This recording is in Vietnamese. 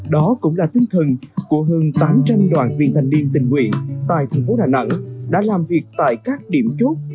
đó cũng là tinh thần của hơn tám trăm linh đoàn viên thanh niên tình nguyện tại thành phố đà nẵng đã làm việc tại các điểm chốt